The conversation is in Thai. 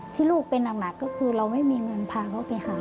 ที่ลูกเป็นหนักก็คือเราไม่มีเงินพาเขาไปหา